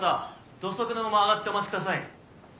土足のまま上がってお待ちください。